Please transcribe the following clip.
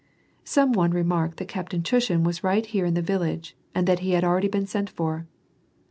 Some one remarked that Captain Tushin was right here in the village, and that he had already been sent for.